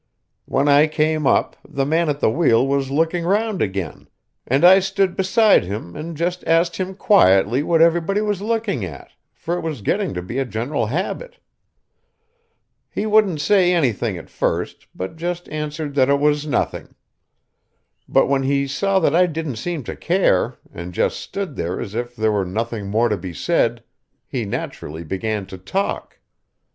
When I came up, the man at the wheel was looking round again, and I stood beside him and just asked him quietly what everybody was looking at, for it was getting to be a general habit. He wouldn't say anything at first, but just answered that it was nothing. But when he saw that I didn't seem to care, and just stood there as if there were nothing more to be said, he naturally began to talk.